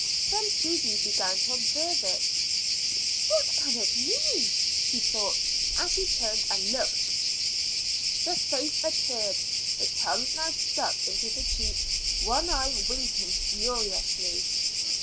Then Susy began to observe it. "What can it mean?" she thought, and she turned and looked. The face appeared, the tongue now stuck into the cheek, one eye winking furiously.